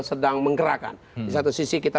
sedang menggerakkan di satu sisi kita